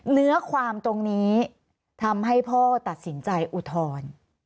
เนื้อความตรงนี้ทำให้พ่อตัดสินใจอุทธรณ์